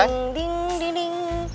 ding ding di ding